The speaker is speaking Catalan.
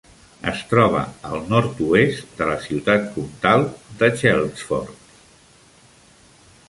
Es troba al nord-oest de la ciutat comtal de Chelmsford.